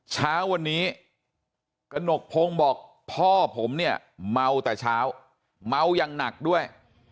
เช้าวันนี้กระหนกพงศ์บอกพ่อผมเนี่ยเมาแต่เช้าเมายังหนักด้วย